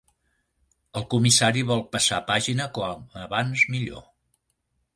El comissari vol passar pàgina com abans millor.